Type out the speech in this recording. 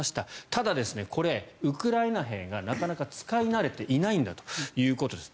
ただ、これウクライナ兵がなかなか使い慣れていないんだということです。